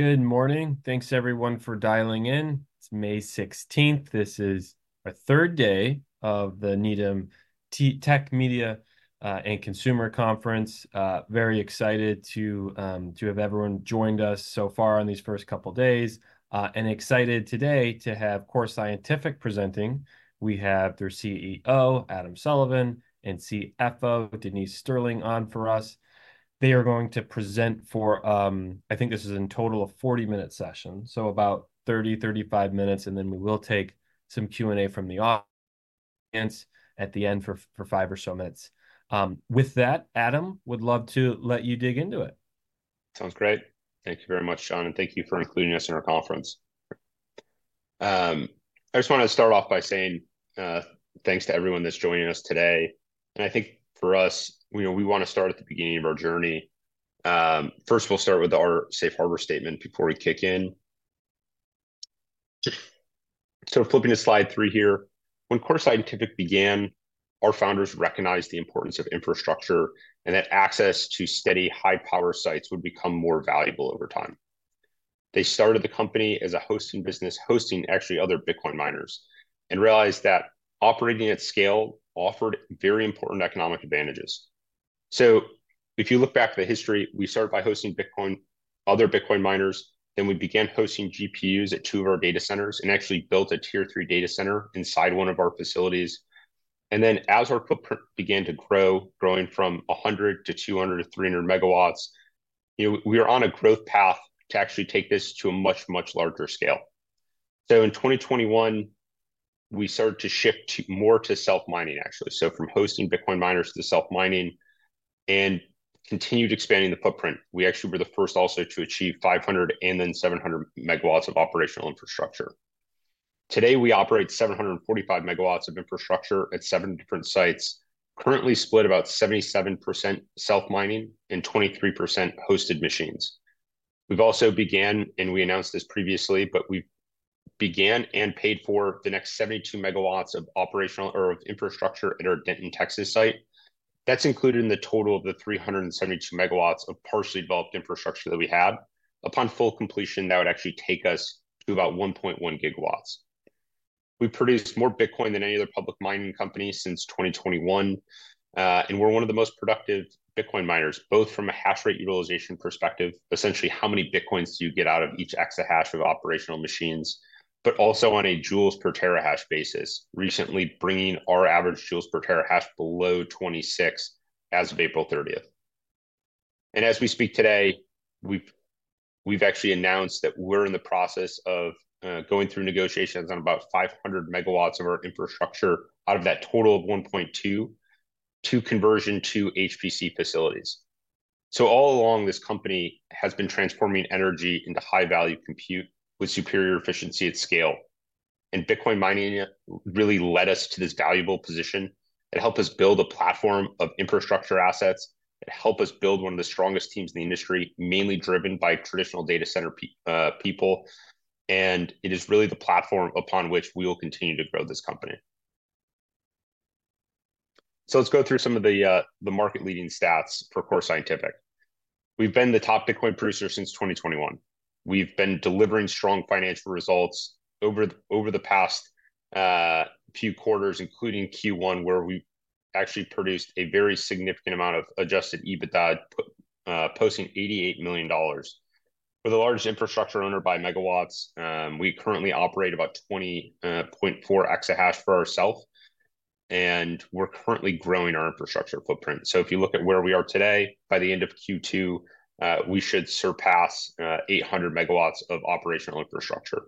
Good morning. Thanks, everyone, for dialing in. It's May 16th. This is our 3rd day of the Needham Tech, Media, and Consumer Conference. Very excited to have everyone joined us so far in these first couple days, and excited today to have Core Scientific presenting. We have their CEO, Adam Sullivan, and CFO, Denise Sterling, on for us. They are going to present for, I think this is in total a 40-minute session, so about 30 minutes-35 minutes, and then we will take some Q&A from the audience at the end for five or so minutes. With that, Adam, would love to let you dig into it. Sounds great. Thank you very much, John, and thank you for including us in our conference. I just wanted to start off by saying, thanks to everyone that's joining us today. And I think for us, you know, we want to start at the beginning of our journey. First, we'll start with our safe harbor statement before we kick in. So flipping to slide three here, when Core Scientific began, our founders recognized the importance of infrastructure and that access to steady, high-power sites would become more valuable over time. They started the company as a hosting business, hosting actually other Bitcoin miners, and realized that operating at scale offered very important economic advantages. So if you look back at the history, we started by hosting Bitcoin, other Bitcoin miners, then we began hosting GPUs at two of our data centers and actually built a tier 3 data center inside one of our facilities. And then, as our footprint began to grow, growing from 100 to 200 to 300 MW, you know, we are on a growth path to actually take this to a much, much larger scale. So in 2021, we started to shift to more to self-mining, actually. So from hosting Bitcoin miners to self-mining and continued expanding the footprint. We actually were the first also to achieve 500 and then 700 MW of operational infrastructure. Today, we operate 745 MW of infrastructure at seven different sites, currently split about 77% self-mining and 23% hosted machines. We've also began, and we announced this previously, but we began and paid for the next 72 MW of operational or of infrastructure at our Denton, Texas, site. That's included in the total of the 372 MW of partially developed infrastructure that we have. Upon full completion, that would actually take us to about 1.1 GW. We produced more Bitcoin than any other public mining company since 2021, and we're one of the most productive Bitcoin miners, both from a hash rate utilization perspective, essentially, how many bitcoins do you get out of each exahash of operational machines, but also on a joules per terahash basis, recently bringing our average joules per terahash below 26 as of April thirtieth. And as we speak today, we've actually announced that we're in the process of going through negotiations on about 5 MW of our infrastructure out of that total of 1.2 to conversion to HPC facilities. So all along, this company has been transforming energy into high-value compute with superior efficiency at scale, and Bitcoin mining really led us to this valuable position. It helped us build a platform of infrastructure assets. It helped us build one of the strongest teams in the industry, mainly driven by traditional data center people, and it is really the platform upon which we will continue to grow this company. So let's go through some of the market-leading stats for Core Scientific. We've been the top Bitcoin producer since 2021. We've been delivering strong financial results over the past few quarters, including Q1, where we actually produced a very significant amount of adjusted EBITDA, posting $88 million. We're the largest infrastructure owner by megawatts. We currently operate about 20.4 exahash for ourself, and we're currently growing our infrastructure footprint. So if you look at where we are today, by the end of Q2, we should surpass 800 MW of operational infrastructure.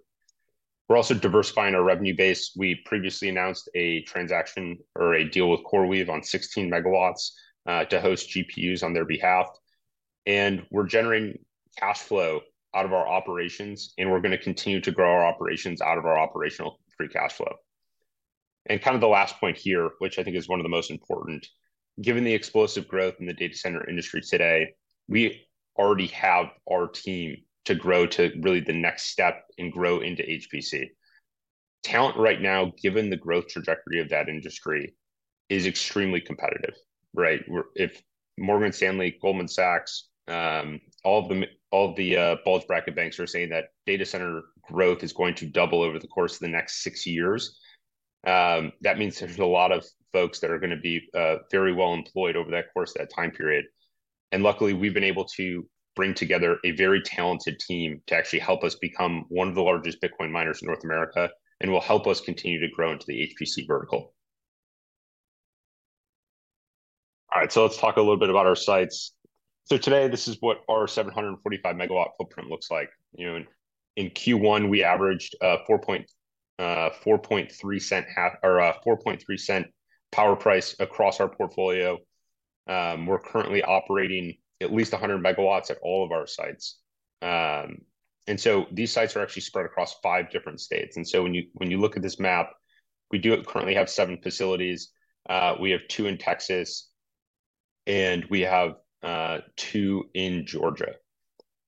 We're also diversifying our revenue base. We previously announced a transaction or a deal with CoreWeave on 16 MW to host GPUs on their behalf, and we're generating cash flow out of our operations, and we're going to continue to grow our operations out of our operational free cash flow. Kind of the last point here, which I think is one of the most important, given the explosive growth in the data center industry today, we already have our team to grow to really the next step and grow into HPC. Talent right now, given the growth trajectory of that industry, is extremely competitive, right? If Morgan Stanley, Goldman Sachs, all the bulge bracket banks are saying that data center growth is going to double over the course of the next six years, that means there's a lot of folks that are going to be very well employed over that course of that time period. And luckily, we've been able to bring together a very talented team to actually help us become one of the largest Bitcoin miners in North America and will help us continue to grow into the HPC vertical. All right, so let's talk a little bit about our sites. So today, this is what our 745-MW footprint looks like. You know, in Q1, we averaged $0.043 power price across our portfolio. We're currently operating at least 100 MW at all of our sites. And so these sites are actually spread across five different states. And so when you, when you look at this map, we do currently have seven facilities. We have two in Texas, and we have two in Georgia.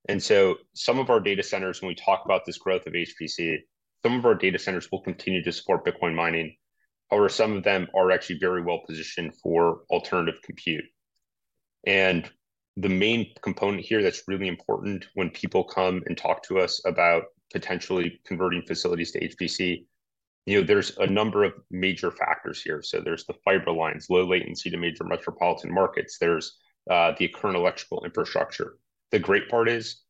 And so some of our data centers, when we talk about this growth of HPC, some of our data centers will continue to support Bitcoin mining. However, some of them are actually very well positioned for alternative compute. And the main component here that's really important when people come and talk to us about potentially converting facilities to HPC, you know, there's a number of major factors here. So there's the fiber lines, low latency to major metropolitan markets. There's the current electrical infrastructure. The great part is,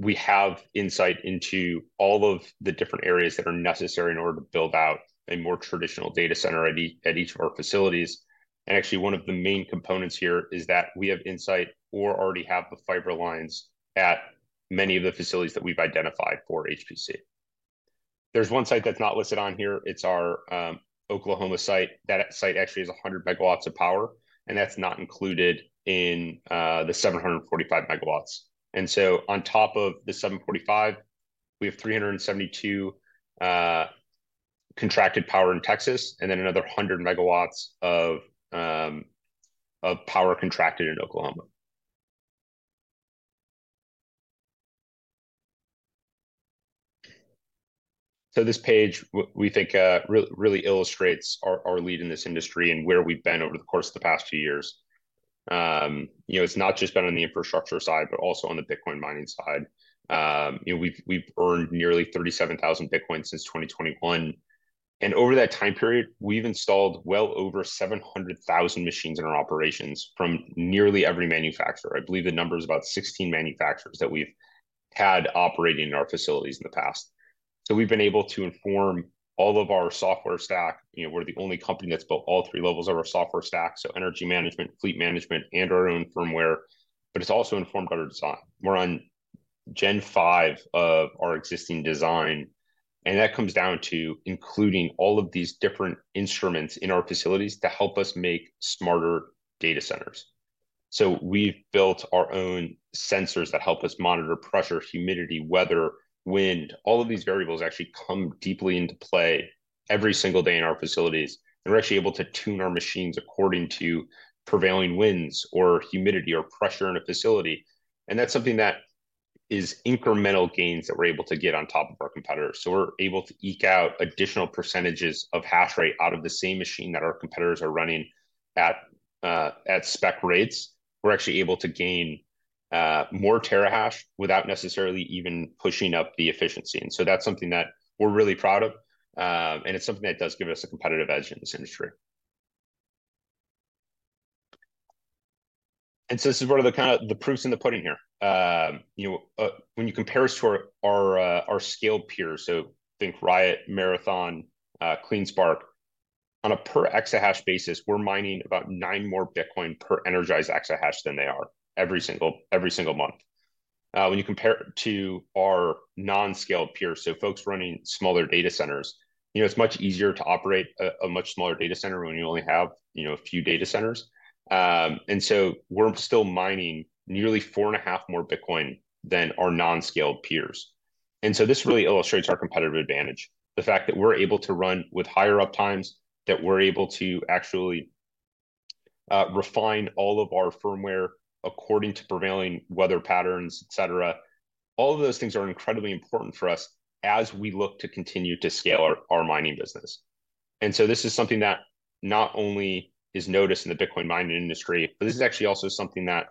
we have insight into all of the different areas that are necessary in order to build out a more traditional data center at each of our facilities. And actually, one of the main components here is that we have insight or already have the fiber lines at many of the facilities that we've identified for HPC. There's one site that's not listed on here. It's our Oklahoma site. That site actually has 100 MW of power, and that's not included in the 745 MW. And so on top of the 745 MW, we have 372 MW contracted power in Texas and then another 100 MW of power contracted in Oklahoma. So this page, we think, really illustrates our lead in this industry and where we've been over the course of the past two years. You know, it's not just been on the infrastructure side, but also on the Bitcoin mining side. You know, we've earned nearly 37,000 Bitcoin since 2021, and over that time period, we've installed well over 700,000 machines in our operations from nearly every manufacturer. I believe the number is about 16 manufacturers that we've had operating in our facilities in the past. So we've been able to inform all of our software stack. You know, we're the only company that's built all three levels of our software stack, so energy management, fleet management, and our own firmware, but it's also informed by our design. We're on Gen 5 of our existing design, and that comes down to including all of these different instruments in our facilities to help us make smarter data centers. So we've built our own sensors that help us monitor pressure, humidity, weather, wind. All of these variables actually come deeply into play every single day in our facilities, and we're actually able to tune our machines according to prevailing winds, or humidity, or pressure in a facility. That's something that is incremental gains that we're able to get on top of our competitors. So we're able to eke out additional percentages of hash rate out of the same machine that our competitors are running at spec rates. We're actually able to gain more terahash without necessarily even pushing up the efficiency, and so that's something that we're really proud of, and it's something that does give us a competitive edge in this industry. And so this is one of the kind of the proofs in the pudding here. You know, when you compare us to our scaled peers, so think Riot, Marathon, CleanSpark. On a per exahash basis, we're mining about 9 more Bitcoin per energized exahash than they are every single month. When you compare it to our non-scaled peers, so folks running smaller data centers, you know, it's much easier to operate a much smaller data center when you only have, you know, a few data centers. And so we're still mining nearly 4.5 more Bitcoin than our non-scaled peers. And so this really illustrates our competitive advantage. The fact that we're able to run with higher up times, that we're able to actually refine all of our firmware according to prevailing weather patterns, etc. All of those things are incredibly important for us as we look to continue to scale our mining business. And so this is something that not only is noticed in the Bitcoin mining industry, but this is actually also something that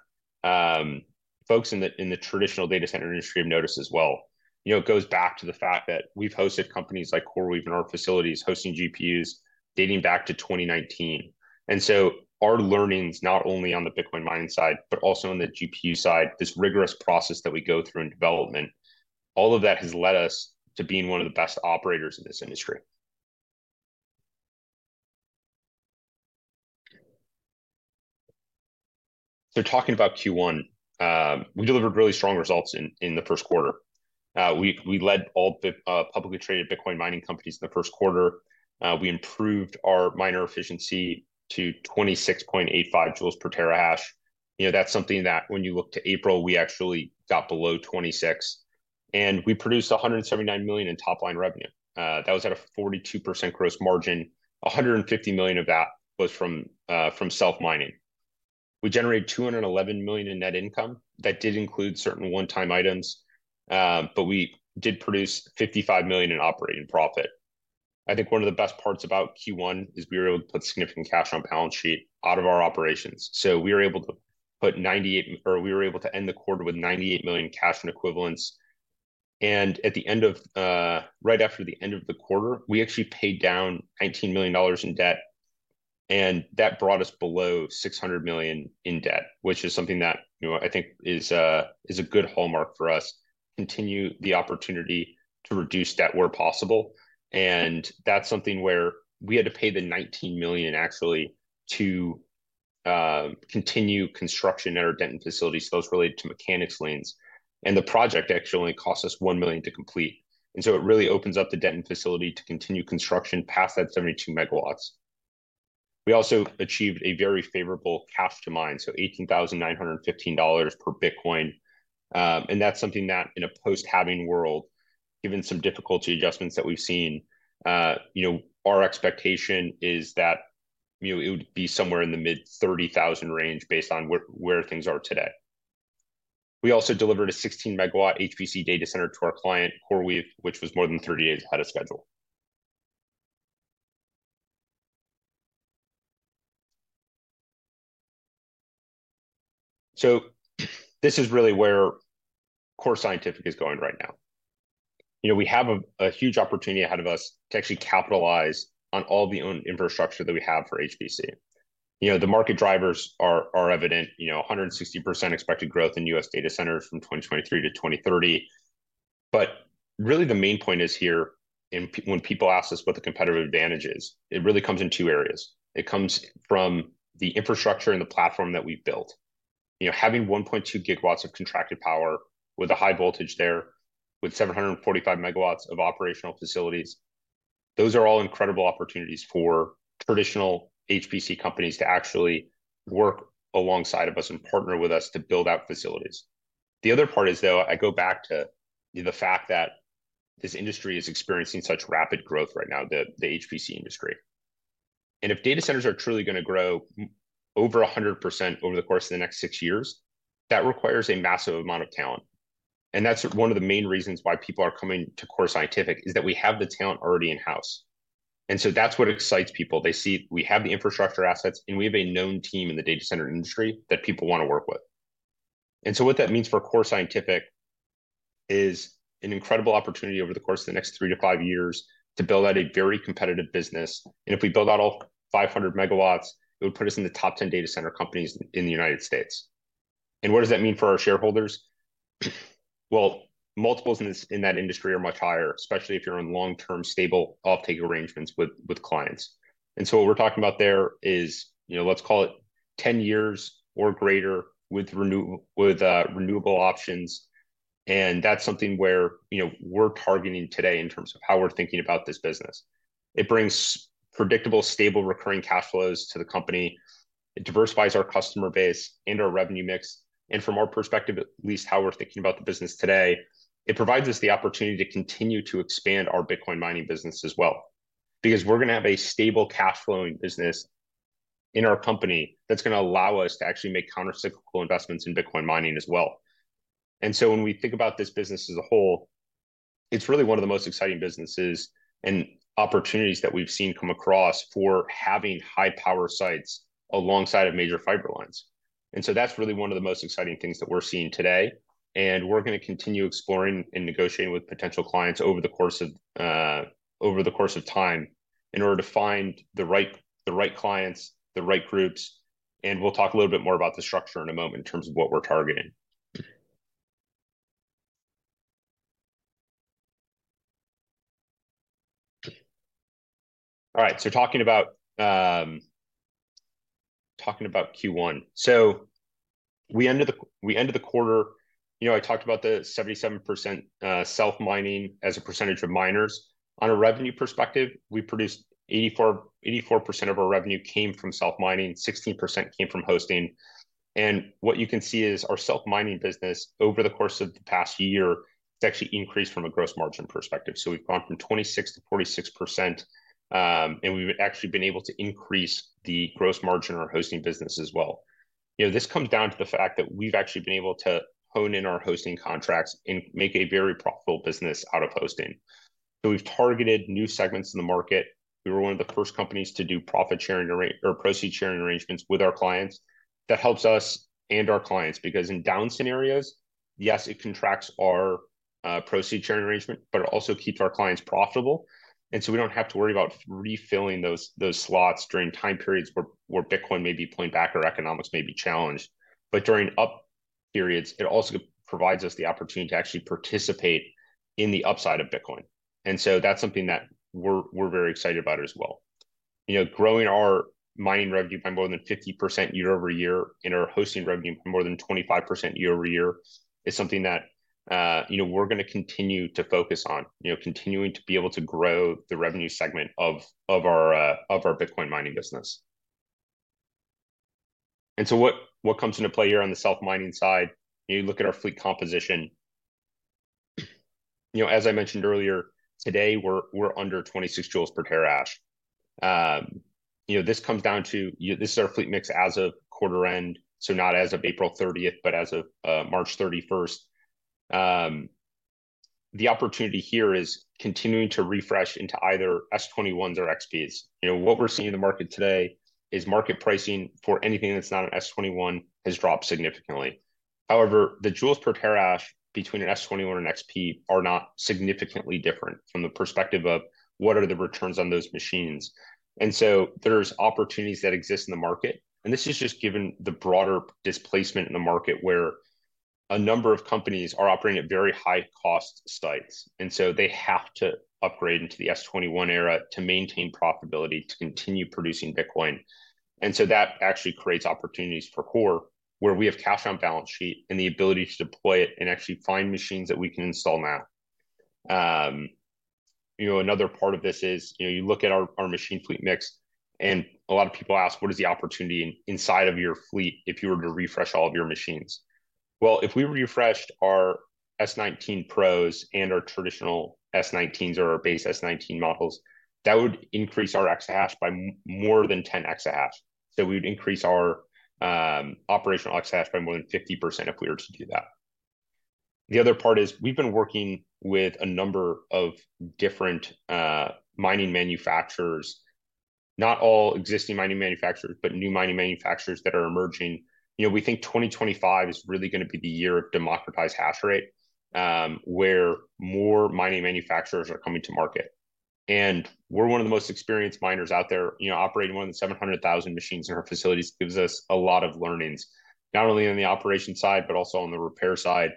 folks in the traditional data center industry have noticed as well. You know, it goes back to the fact that we've hosted companies like CoreWeave in our facilities, hosting GPUs dating back to 2019. And so our learnings, not only on the Bitcoin mining side, but also on the GPU side, this rigorous process that we go through in development, all of that has led us to being one of the best operators in this industry. So talking about Q1, we delivered really strong results in the first quarter. We led all Bitcoin publicly traded Bitcoin mining companies in the first quarter. We improved our miner efficiency to 26.85 joules per terahash. You know, that's something that when you look to April, we actually got below 26, and we produced $179 million in top-line revenue. That was at a 42% gross margin. $150 million of that was from, from self-mining. We generated $211 million in net income. That did include certain one-time items, but we did produce $55 million in operating profit. I think one of the best parts about Q1 is we were able to put significant cash on balance sheet out of our operations. So we were able to put 98, or we were able to end the quarter with $98 million cash and equivalents. And at the end of, right after the end of the quarter, we actually paid down $19 million in debt, and that brought us below $600 million in debt, which is something that, you know, I think is a, is a good hallmark for us, continue the opportunity to reduce debt where possible. And that's something where we had to pay the $19 million, actually, to continue construction at our Denton facility. So those related to mechanic's liens, and the project actually only cost us $1 million to complete. And so it really opens up the Denton facility to continue construction past that 72 MW. We also achieved a very favorable cost to mine, so $18,915 per Bitcoin. And that's something that in a post-halving world, given some difficulty adjustments that we've seen, you know, our expectation is that, you know, it would be somewhere in the mid-$30,000 range based on where, where things are today. We also delivered a 16-MW HPC data center to our client, CoreWeave, which was more than 30 days ahead of schedule. So this is really where Core Scientific is going right now. You know, we have a huge opportunity ahead of us to actually capitalize on all the own infrastructure that we have for HPC. You know, the market drivers are evident, you know, 160% expected growth in U.S. data centers from 2023 to 2030. But really the main point is here, when people ask us what the competitive advantage is, it really comes in two areas. It comes from the infrastructure and the platform that we've built. You know, having 1.2 GW of contracted power with a high voltage there, with 745 MW of operational facilities, those are all incredible opportunities for traditional HPC companies to actually work alongside of us and partner with us to build out facilities. The other part is, though, I go back to the fact that this industry is experiencing such rapid growth right now, the HPC industry. And if data centers are truly going to grow over 100% over the course of the next six years, that requires a massive amount of talent. And that's one of the main reasons why people are coming to Core Scientific, is that we have the talent already in-house. And so that's what excites people. They see we have the infrastructure assets, and we have a known team in the data center industry that people want to work with. And so what that means for Core Scientific is an incredible opportunity over the course of the next three to five years to build out a very competitive business. If we build out all 500 MW, it would put us in the top 10 data center companies in the United States. What does that mean for our shareholders? Well, multiples in this, in that industry are much higher, especially if you're in long-term, stable offtake arrangements with, with clients. So what we're talking about there is, you know, let's call it 10 years or greater with renewal, with renewable options. That's something where, you know, we're targeting today in terms of how we're thinking about this business. It brings predictable, stable, recurring cash flows to the company. It diversifies our customer base and our revenue mix. From our perspective, at least how we're thinking about the business today, it provides us the opportunity to continue to expand our Bitcoin mining business as well. Because we're going to have a stable cash flowing business in our company that's going to allow us to actually make countercyclical investments in Bitcoin mining as well. And so when we think about this business as a whole, it's really one of the most exciting businesses and opportunities that we've seen come across for having high-power sites alongside of major fiber lines. And so that's really one of the most exciting things that we're seeing today, and we're going to continue exploring and negotiating with potential clients over the course of time in order to find the right clients, the right groups, and we'll talk a little bit more about the structure in a moment in terms of what we're targeting. All right, so talking about Q1. So we ended the quarter. You know, I talked about the 77%, self-mining as a percentage of miners. On a revenue perspective, we produced 84%, 84% of our revenue came from self-mining, 16% came from hosting. And what you can see is our self-mining business over the course of the past year, it's actually increased from a gross margin perspective. So we've gone from 26%-46%, and we've actually been able to increase the gross margin on our hosting business as well. You know, this comes down to the fact that we've actually been able to hone in our hosting contracts and make a very profitable business out of hosting. So we've targeted new segments in the market. We were one of the first companies to do profit sharing or proceeds sharing arrangements with our clients. That helps us and our clients, because in down scenarios, yes, it contracts our proceeds sharing arrangement, but it also keeps our clients profitable. And so we don't have to worry about refilling those slots during time periods where Bitcoin may be pulling back or economics may be challenged. But during up periods, it also provides us the opportunity to actually participate in the upside of Bitcoin. And so that's something that we're very excited about as well. You know, growing our mining revenue by more than 50% year-over-year, and our hosting revenue by more than 25% year-over-year, is something that, you know, we're going to continue to focus on. You know, continuing to be able to grow the revenue segment of our Bitcoin mining business. So what comes into play here on the self-mining side, you look at our fleet composition. You know, as I mentioned earlier, today, we're under 26 joules per terahash. You know, this comes down to. This is our fleet mix as of quarter end, so not as of April 30, but as of March 31. The opportunity here is continuing to refresh into either S21s or XPs. You know, what we're seeing in the market today is market pricing for anything that's not an S21 has dropped significantly. However, the joules per terahash between an S21 and XP are not significantly different from the perspective of what are the returns on those machines. There's opportunities that exist in the market, and this is just given the broader displacement in the market, where a number of companies are operating at very high costs sites. And so they have to upgrade into the S21 era to maintain profitability, to continue producing Bitcoin. And so that actually creates opportunities for Core, where we have cash on balance sheet and the ability to deploy it and actually find machines that we can install now. You know, another part of this is, you know, you look at our machine fleet mix, and a lot of people ask: "What is the opportunity inside of your fleet if you were to refresh all of your machines?" Well, if we refreshed our S19 Pros and our traditional S19s or our base S19 models, that would increase our exahash by more than 10 exahash. So we would increase our operational exahash by more than 50% if we were to do that. The other part is we've been working with a number of different mining manufacturers. Not all existing mining manufacturers, but new mining manufacturers that are emerging. You know, we think 2025 is really gonna be the year of democratized hash rate, where more mining manufacturers are coming to market. And we're one of the most experienced miners out there. You know, operating more than 700,000 machines in our facilities gives us a lot of learnings, not only on the operation side, but also on the repair side.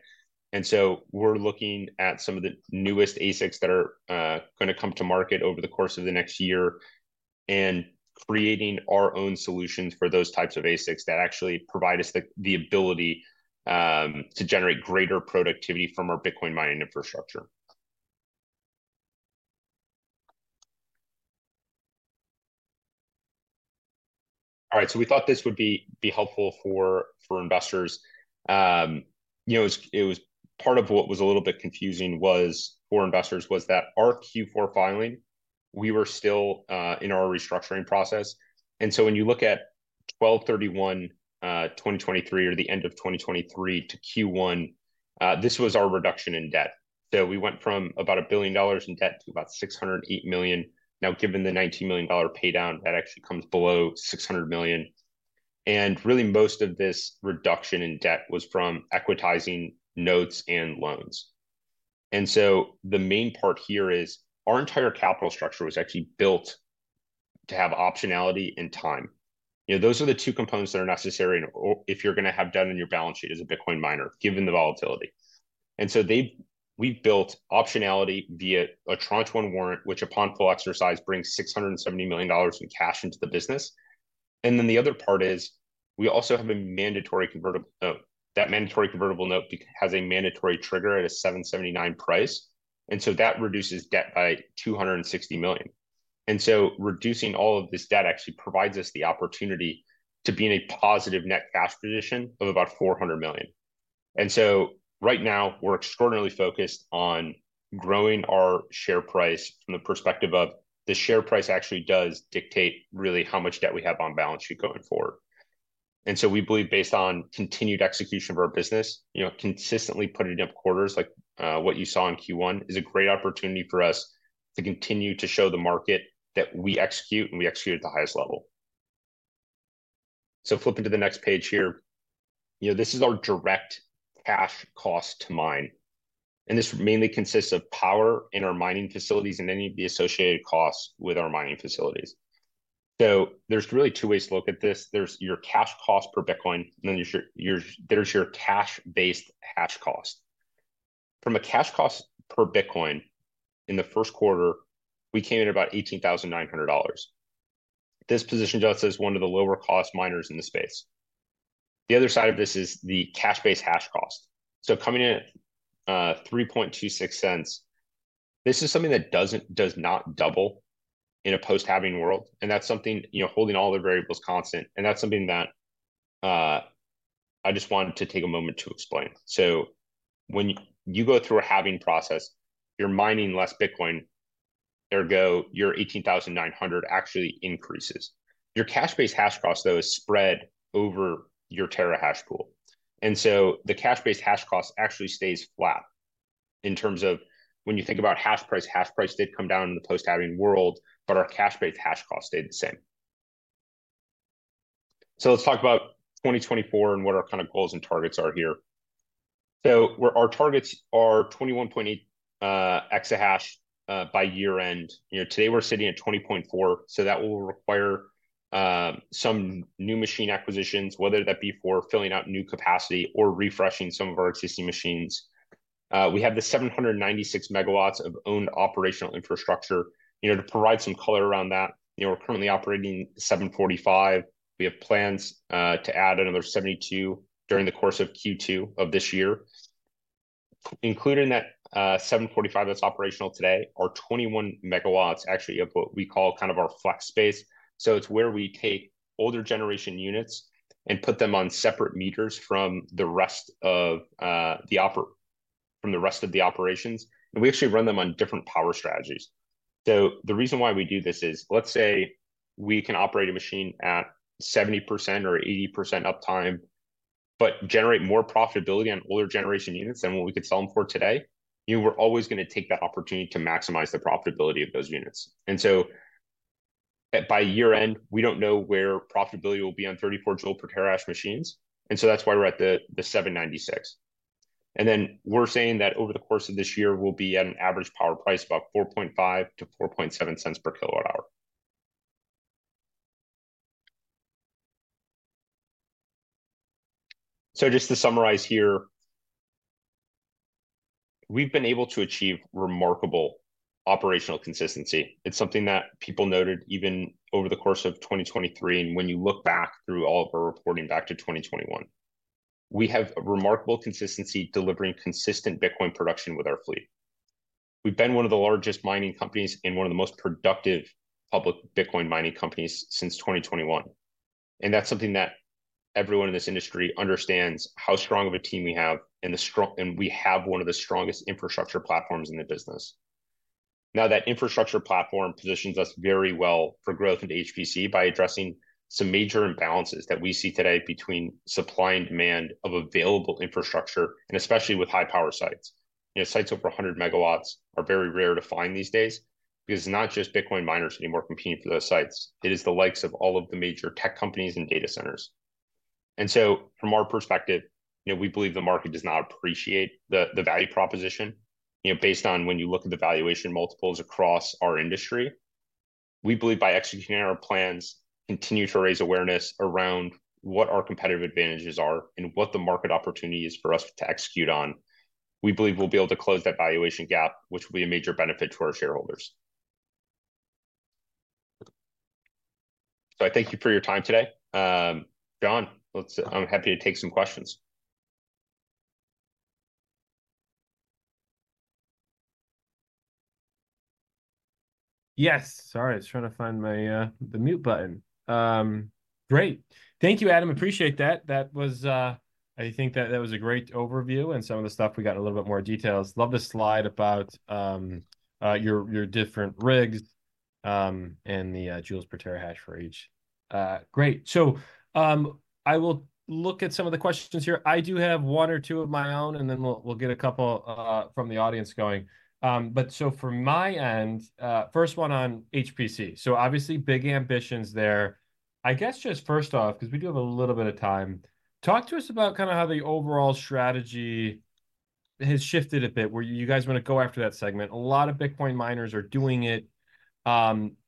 We're looking at some of the newest ASICs that are gonna come to market over the course of the next year, and creating our own solutions for those types of ASICs that actually provide us the ability to generate greater productivity from our Bitcoin mining infrastructure. All right, so we thought this would be helpful for investors. You know, it was part of what was a little bit confusing for investors was that our Q4 filing, we were still in our restructuring process. When you look at 12/31/2023, or the end of 2023 to Q1, this was our reduction in debt. So we went from about $1 billion in debt to about $608 million. Now, given the $19 million pay down, that actually comes below $600 million. Really, most of this reduction in debt was from equitizing notes and loans. The main part here is our entire capital structure was actually built to have optionality and time. You know, those are the two components that are necessary, or if you're gonna have debt on your balance sheet as a Bitcoin miner, given the volatility. We've built optionality via a tranche one warrant, which, upon full exercise, brings $670 million in cash into the business. Then the other part is we also have a mandatory convertible note. That mandatory convertible note has a mandatory trigger at a $779 price, and so that reduces debt by $260 million. And so reducing all of this debt actually provides us the opportunity to be in a positive net cash position of about $400 million. And so right now, we're extraordinarily focused on growing our share price from the perspective of the share price actually does dictate really how much debt we have on balance sheet going forward. And so we believe, based on continued execution of our business, you know, consistently putting up quarters like, what you saw in Q1, is a great opportunity for us to continue to show the market that we execute, and we execute at the highest level. So flipping to the next page here. You know, this is our direct cash cost to mine, and this mainly consists of power in our mining facilities and any of the associated costs with our mining facilities. So there's really two ways to look at this: There's your cash cost per Bitcoin, and then your cash-based hash cost. From a cash cost per Bitcoin in the first quarter, we came in about $18,900. This positioned us as one of the lower-cost miners in the space. The other side of this is the cash-based hash cost, so coming in at $0.0326. This is something that does not double in a post-halving world, and that's something, you know, holding all the variables constant, and that's something that I just wanted to take a moment to explain. So when you go through a halving process, you're mining less Bitcoin. Ergo, your $18,900 actually increases. Your cash-based hash cost, though, is spread over your terahash pool, and so the cash-based hash cost actually stays flat in terms of when you think about hash price. Hash price did come down in the post-halving world, but our cash-based hash cost stayed the same. So let's talk about 2024 and what our kind of goals and targets are here. So our targets are 21.8 exahash by year end. You know, today, we're sitting at 20.4, so that will require some new machine acquisitions, whether that be for filling out new capacity or refreshing some of our existing machines. We have the 796 MW of owned operational infrastructure. You know, to provide some color around that, you know, we're currently operating 745 MW. We have plans to add another 72 MW during the course of Q2 of this year. Including that, 745 MW that's operational today, our 21 MW actually of what we call kind of our flex space. So it's where we take older generation units and put them on separate meters from the rest of from the rest of the operations, and we actually run them on different power strategies. So the reason why we do this is, let's say we can operate a machine at 70% or 80% uptime but generate more profitability on older generation units than what we could sell them for today, you know, we're always gonna take that opportunity to maximize the profitability of those units. And so by year end, we don't know where profitability will be on 34 joules per terahash machines, and so that's why we're at the $7.96. And then we're saying that over the course of this year, we'll be at an average power price of about 4.5 cents-4.7 cents per kWh. So just to summarize here, we've been able to achieve remarkable operational consistency. It's something that people noted even over the course of 2023, and when you look back through all of our reporting back to 2021. We have remarkable consistency, delivering consistent Bitcoin production with our fleet. We've been one of the largest mining companies and one of the most productive public Bitcoin mining companies since 2021, and that's something that everyone in this industry understands how strong of a team we have, and we have one of the strongest infrastructure platforms in the business. Now, that infrastructure platform positions us very well for growth into HPC by addressing some major imbalances that we see today between supply and demand of available infrastructure, and especially with high-power sites. You know, sites over 100 MW are very rare to find these days, because it's not just Bitcoin miners anymore competing for those sites. It is the likes of all of the major tech companies and data centers. From our perspective, you know, we believe the market does not appreciate the value proposition, you know, based on when you look at the valuation multiples across our industry. We believe by executing our plans, continue to raise awareness around what our competitive advantages are and what the market opportunity is for us to execute on, we believe we'll be able to close that valuation gap, which will be a major benefit to our shareholders. I thank you for your time today. John, I'm happy to take some questions. Yes. Sorry, I was trying to find my, the mute button. Great. Thank you, Adam, appreciate that. That was, I think that that was a great overview, and some of the stuff we got a little bit more details. Love the slide about, your, your different rigs, and the, joules per terahash for each. Great! So, I will look at some of the questions here. I do have one or two of my own, and then we'll, we'll get a couple, from the audience going. But so from my end, first one on HPC. So obviously, big ambitions there. I guess just first off, 'cause we do have a little bit of time, talk to us about kind of how the overall strategy has shifted a bit, where you guys want to go after that segment. A lot of Bitcoin miners are doing it.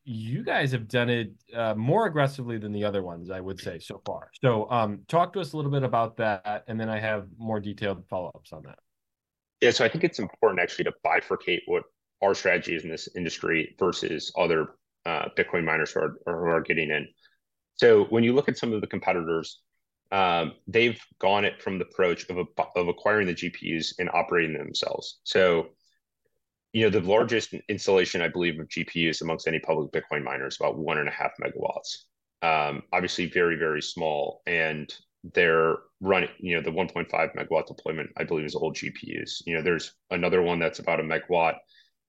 You guys have done it more aggressively than the other ones, I would say so far. So, talk to us a little bit about that, and then I have more detailed follow-ups on that. Yeah, so I think it's important actually to bifurcate what our strategy is in this industry versus other, Bitcoin miners who are getting in. So when you look at some of the competitors, they've gone it from the approach of a, of acquiring the GPUs and operating them themselves. So, you know, the largest installation, I believe, of GPUs amongst any public Bitcoin miner is about 1.5 MW. Obviously very, very small, and they're running. You know, the 1.5 MW deployment, I believe, is all GPUs. You know, there's another one that's about 1 MW.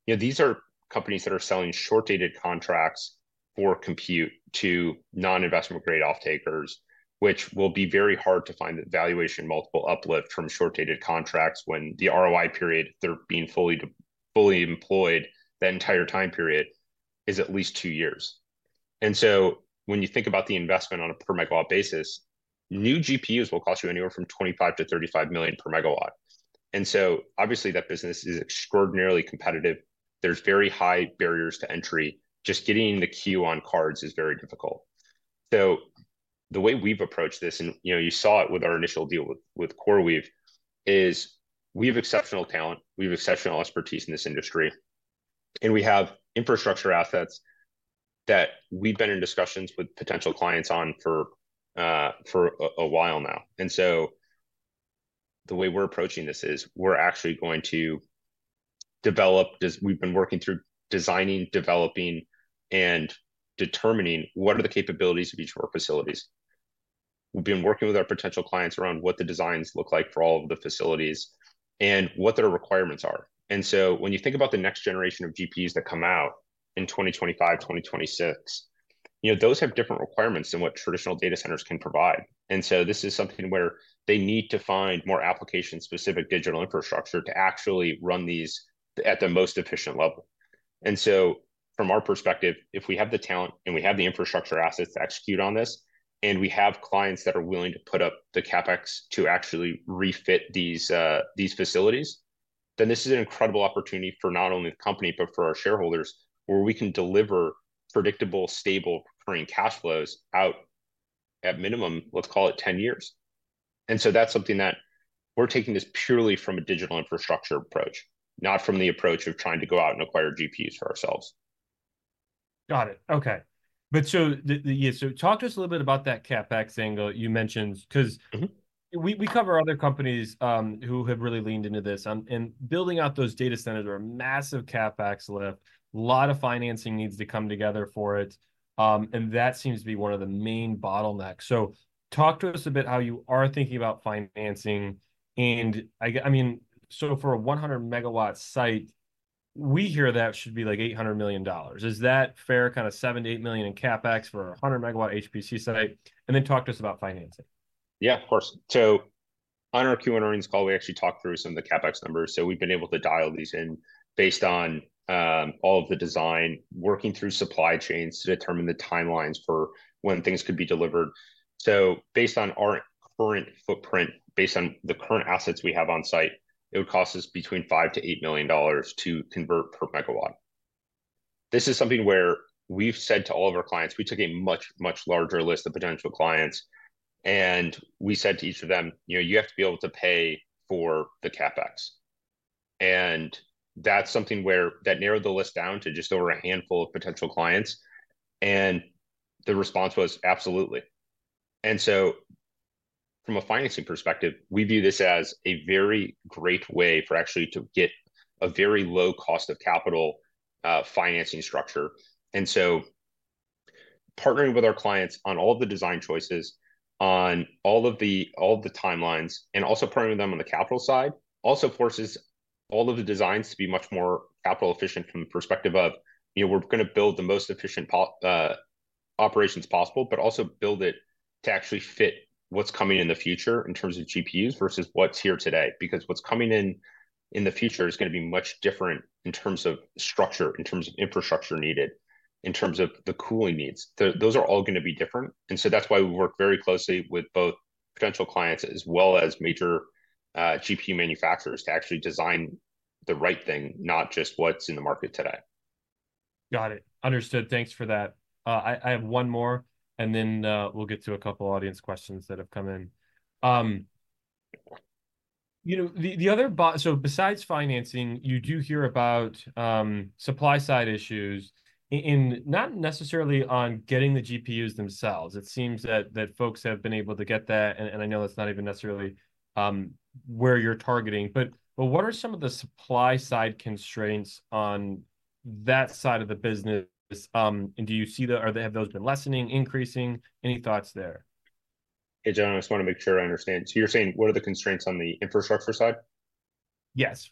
You know, these are companies that are selling short-dated contracts for compute to non-investment-grade off-takers, which will be very hard to find the valuation multiple uplift from short-dated contracts when the ROI period, they're being fully employed, the entire time period is at least two years. And so when you think about the investment on a per megawatt basis, new GPUs will cost you anywhere from $25 million-$35 million per MW, and so obviously that business is extraordinarily competitive. There's very high barriers to entry. Just getting the queue on cards is very difficult. So the way we've approached this, and you know, you saw it with our initial deal with CoreWeave, is we have exceptional talent, we have exceptional expertise in this industry, and we have infrastructure assets that we've been in discussions with potential clients on for a while now. The way we're approaching this is we're actually going to develop this. We've been working through designing, developing, and determining what are the capabilities of each of our facilities. We've been working with our potential clients around what the designs look like for all of the facilities and what their requirements are. When you think about the next generation of GPUs that come out in 2025, 2026, you know, those have different requirements than what traditional data centers can provide, and so this is something where they need to find more application-specific digital infrastructure to actually run these at the most efficient level. From our perspective, if we have the talent and we have the infrastructure assets to execute on this, and we have clients that are willing to put up the CapEx to actually refit these facilities, then this is an incredible opportunity for not only the company but for our shareholders, where we can deliver predictable, stable, recurring cash flows out at minimum, let's call it 10 years. That's something that we're taking this purely from a digital infrastructure approach, not from the approach of trying to go out and acquire GPUs for ourselves. Got it. Okay. But so, so talk to us a little bit about that CapEx angle you mentioned, 'cause. Mm-hmm We cover other companies who have really leaned into this, and building out those data centers are a massive CapEx lift. A lot of financing needs to come together for it, and that seems to be one of the main bottlenecks. So talk to us a bit how you are thinking about financing, and I mean, so for a 100 MW site, we hear that should be, like, $800 million. Is that fair? Kind of $7 million-$8 million in CapEx for a 100 MW HPC site, and then talk to us about financing. Yeah, of course. So on our Q1 earnings call, we actually talked through some of the CapEx numbers. So we've been able to dial these in based on all of the design, working through supply chains to determine the timelines for when things could be delivered. So based on our current footprint, based on the current assets we have on site, it would cost us between $5 million-$8 million to convert per MW. This is something where we've said to all of our clients, we took a much, much larger list of potential clients, and we said to each of them, "You know, you have to be able to pay for the CapEx." And that's something where that narrowed the list down to just over a handful of potential clients, and the response was absolutely. From a financing perspective, we view this as a very great way for actually to get a very low cost of capital financing structure. Partnering with our clients on all the design choices, on all of the, all of the timelines, and also partnering with them on the capital side, also forces all of the designs to be much more capital efficient from the perspective of, you know, we're gonna build the most efficient operations possible, but also build it to actually fit what's coming in the future in terms of GPUs versus what's here today. Because what's coming in the future is gonna be much different in terms of structure, in terms of infrastructure needed, in terms of the cooling needs. Those are all gonna be different, and so that's why we work very closely with both potential clients as well as major GPU manufacturers to actually design the right thing, not just what's in the market today. Got it. Understood. Thanks for that. I have one more, and then we'll get to a couple audience questions that have come in. You know, so besides financing, you do hear about supply side issues in not necessarily on getting the GPUs themselves. It seems that folks have been able to get that, and I know that's not even necessarily where you're targeting. But what are some of the supply side constraints on that side of the business? And do you see the, or have those been lessening, increasing? Any thoughts there? Hey, John, I just want to make sure I understand. So you're saying, what are the constraints on the infrastructure side? Yes.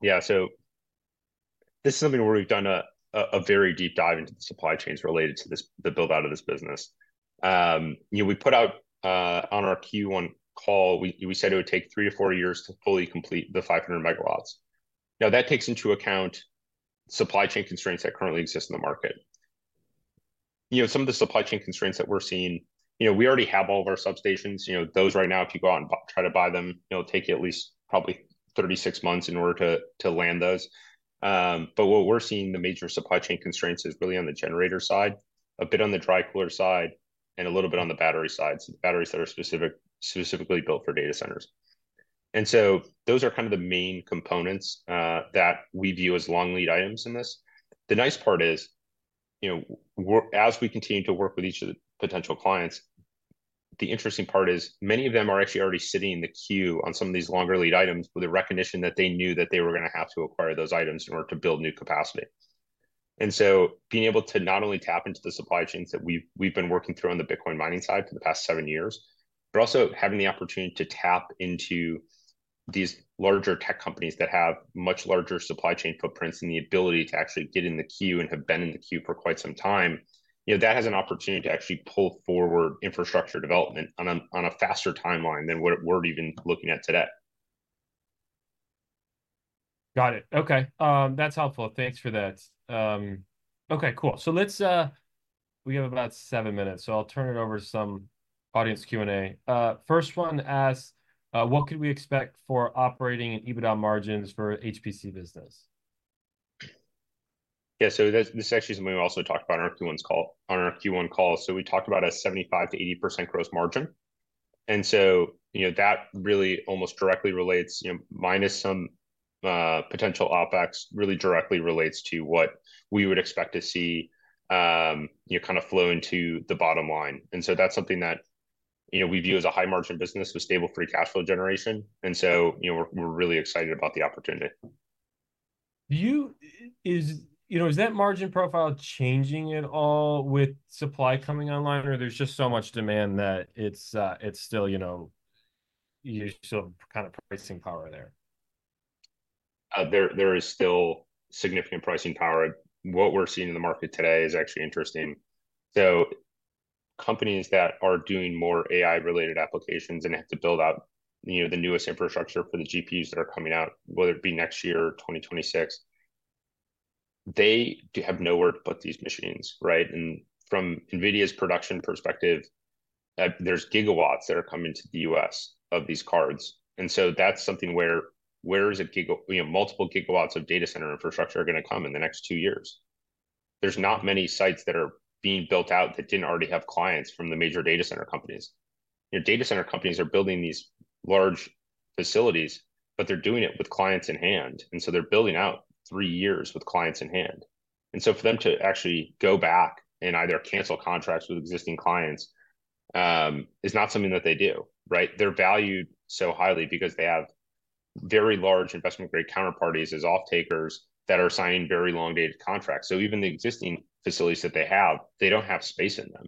Yeah, so this is something where we've done a very deep dive into the supply chains related to this, the build-out of this business. You know, we put out on our Q1 call, we said it would take 3 years-4 years to fully complete the 500 MW. Now, that takes into account supply chain constraints that currently exist in the market. You know, some of the supply chain constraints that we're seeing, you know, we already have all of our substations. You know, those right now, if you go out and try to buy them, it'll take you at least probably 36 months in order to land those. But what we're seeing, the major supply chain constraints is really on the generator side, a bit on the dry cooler side, and a little bit on the battery side, so the batteries that are specific, specifically built for data centers. And so those are kind of the main components that we view as long lead items in this. The nice part is, you know, as we continue to work with each of the potential clients, the interesting part is many of them are actually already sitting in the queue on some of these longer lead items with a recognition that they knew that they were gonna have to acquire those items in order to build new capacity. And so being able to not only tap into the supply chains that we've been working through on the Bitcoin mining side for the past seven years, but also having the opportunity to tap into these larger tech companies that have much larger supply chain footprints and the ability to actually get in the queue and have been in the queue for quite some time, you know, that has an opportunity to actually pull forward infrastructure development on a faster timeline than what we're even looking at today. Got it. Okay, that's helpful. Thanks for that. Okay, cool. So let's. We have about seven minutes, so I'll turn it over to some audience Q&A. First one asks, "What could we expect for operating and EBITDA margins for HPC business? Yeah, so that's, this is actually something we also talked about on our Q1 call. So we talked about a 75%-80% gross margin, and so, you know, that really almost directly relates, you know, minus some potential OpEx, really directly relates to what we would expect to see, you know, kind of flow into the bottom line. And so that's something that, you know, we view as a high margin business with stable free cash flow generation, and so, you know, we're, we're really excited about the opportunity. Do you, you know, is that margin profile changing at all with supply coming online, or there's just so much demand that it's, it's still, you know, you still have kind of pricing power there? There is still significant pricing power. What we're seeing in the market today is actually interesting. So companies that are doing more AI-related applications and have to build out, you know, the newest infrastructure for the GPUs that are coming out, whether it be next year or 2026, they have nowhere to put these machines, right? And from NVIDIA's production perspective, there's gigawatts that are coming to the U.S. of these cards, and so that's something where, you know, multiple gigawatts of data center infrastructure are gonna come in the next two years? There's not many sites that are being built out that didn't already have clients from the major data center companies. You know, data center companies are building these large facilities, but they're doing it with clients in hand, and so they're building out three years with clients in hand. And so for them to actually go back and either cancel contracts with existing clients is not something that they do, right? They're valued so highly because they have very large investment-grade counterparties as off-takers that are signing very long-dated contracts. So even the existing facilities that they have, they don't have space in them.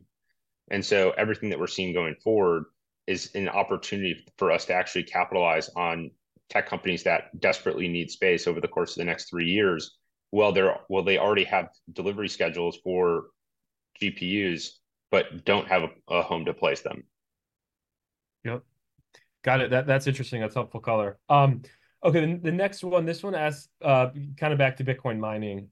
And so everything that we're seeing going forward is an opportunity for us to actually capitalize on tech companies that desperately need space over the course of the next three years, while they already have delivery schedules for GPUs but don't have a home to place them. Yep. Got it. That, that's interesting. That's helpful color. Okay, the next one, this one asks, kind of back to Bitcoin mining.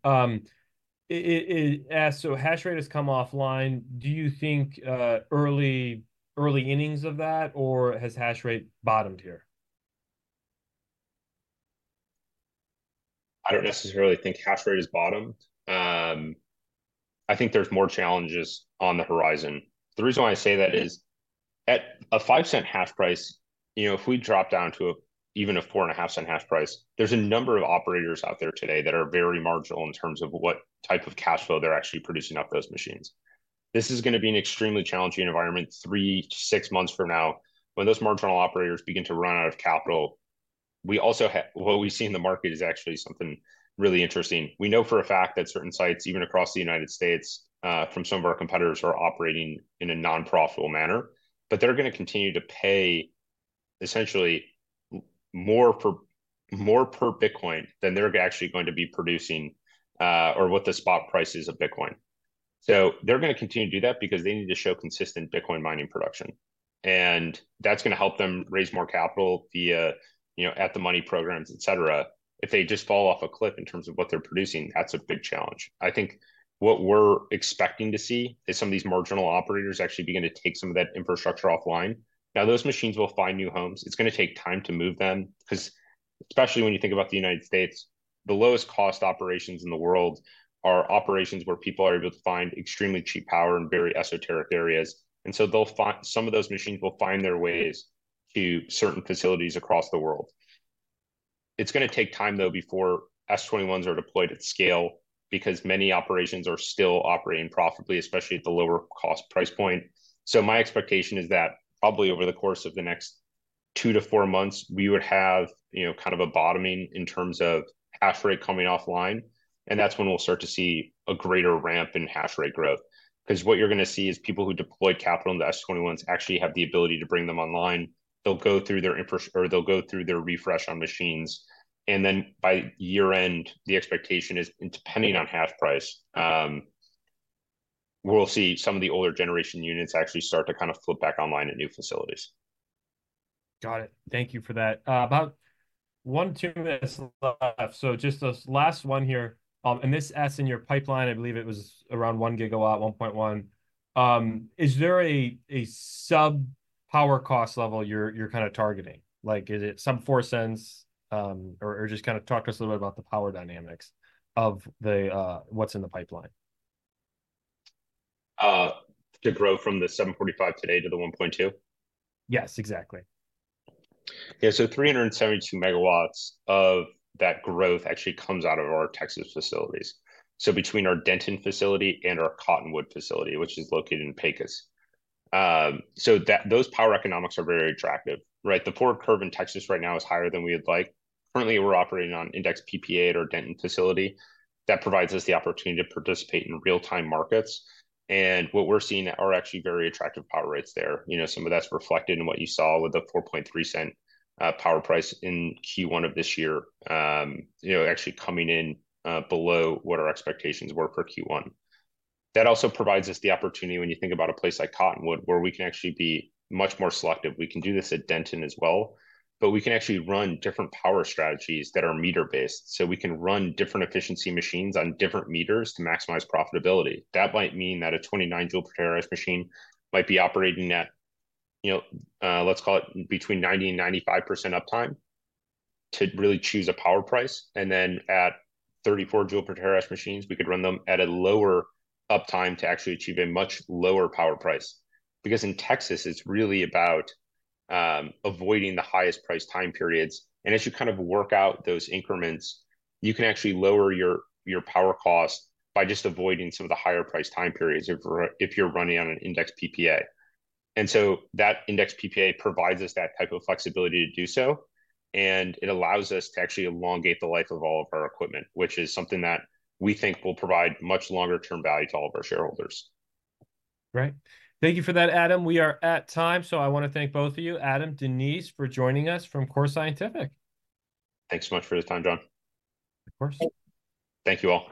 It asks, "So hash rate has come offline. Do you think early innings of that, or has hash rate bottomed here? I don't necessarily think hash rate has bottomed. I think there's more challenges on the horizon. The reason why I say that is, at a $0.05 hash price, you know, if we drop down to even a $0.045 hash price, there's a number of operators out there today that are very marginal in terms of what type of cash flow they're actually producing off those machines. This is gonna be an extremely challenging environment three to six months from now, when those marginal operators begin to run out of capital. We also have what we see in the market is actually something really interesting. We know for a fact that certain sites, even across the United States, from some of our competitors, are operating in a non-profitable manner, but they're going to continue to pay essentially more per Bitcoin than they're actually going to be producing, or what the spot price is of Bitcoin. So they're going to continue to do that because they need to show consistent Bitcoin mining production, and that's going to help them raise more capital via, you know, at-the-money programs, et cetera. If they just fall off a cliff in terms of what they're producing, that's a big challenge. I think what we're expecting to see is some of these marginal operators actually begin to take some of that infrastructure offline. Now, those machines will find new homes. It's going to take time to move them because, especially when you think about the United States, the lowest cost operations in the world are operations where people are able to find extremely cheap power in very esoteric areas. And so they'll find. Some of those machines will find their ways to certain facilities across the world. It's going to take time, though, before S21s are deployed at scale, because many operations are still operating profitably, especially at the lower cost price point. So my expectation is that probably over the course of the next 2 months-4 months, we would have, you know, kind of a bottoming in terms of hash rate coming offline, and that's when we'll start to see a greater ramp in hash rate growth. Because what you're going to see is people who deployed capital into S21s actually have the ability to bring them online. They'll go through their refresh on machines, and then by year-end, the expectation is, and depending on hash price, we'll see some of the older generation units actually start to kind of flip back online at new facilities. Got it. Thank you for that. About one to two minutes left, so just this last one here. And this S in your pipeline, I believe it was around 1 GW, 1.1. Is there a, a sub-power cost level you're, you're kind of targeting? Like, is it some $0.04, or, or just kind of talk to us a little bit about the power dynamics of the, what's in the pipeline. To grow from the 745 MW today to the 1.2 GW? Yes, exactly. Yeah. So 372 MW of that growth actually comes out of our Texas facilities. So between our Denton facility and our Cottonwood facility, which is located in Pecos. So that, those power economics are very attractive, right? The forward curve in Texas right now is higher than we would like. Currently, we're operating on index PPA at our Denton facility. That provides us the opportunity to participate in real-time markets, and what we're seeing are actually very attractive power rates there. You know, some of that's reflected in what you saw with the $0.043 power price in Q1 of this year, you know, actually coming in below what our expectations were for Q1. That also provides us the opportunity, when you think about a place like Cottonwood, where we can actually be much more selective. We can do this at Denton as well, but we can actually run different power strategies that are meter-based. So we can run different efficiency machines on different meters to maximize profitability. That might mean that a 29 joule per terahash machine might be operating at, you know, let's call it between 90%-95% uptime to really choose a power price, and then at 34 joule per terahash machines, we could run them at a lower uptime to actually achieve a much lower power price. Because in Texas, it's really about avoiding the highest price time periods. And as you kind of work out those increments, you can actually lower your power cost by just avoiding some of the higher price time periods if you're running on an index PPA. And so that index PPA provides us that type of flexibility to do so, and it allows us to actually elongate the life of all of our equipment, which is something that we think will provide much longer-term value to all of our shareholders. Great. Thank you for that, Adam. We are at time, so I want to thank both of you, Adam, Denise, for joining us from Core Scientific. Thanks so much for the time, John. Of course. Thank you, all.